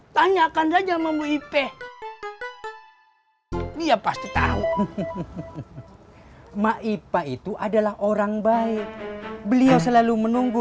tanyakan saja mau ip dia pasti tahu maipa itu adalah orang baik beliau selalu menunggu